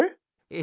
え？